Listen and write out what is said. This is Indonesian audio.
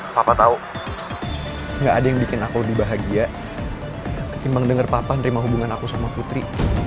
papa tahu nggak ada yang bikin aku lebih bahagia ketimbang dengar papa nerima hubungan aku sama putri